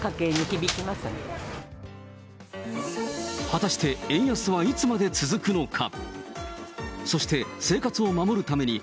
果たして円安はいつまで続くのか。